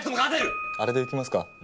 あれでいきますか？